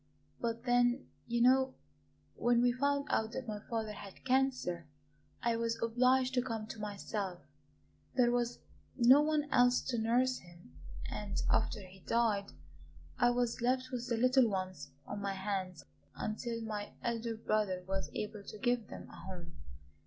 But then, you know, when we found out that my father had cancer I was obliged to come to myself there was no one else to nurse him. And after he died I was left with the little ones on my hands until my elder brother was able to give them a home.